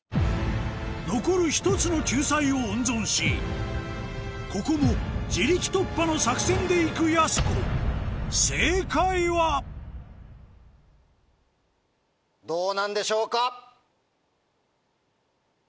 残る１つの救済を温存しここも自力突破の作戦で行くやす子正解はどうなんでしょうか？